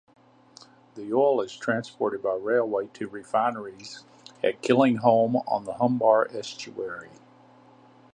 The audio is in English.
The oil is transported by railway to refineries at Killingholme on the Humber Estuary.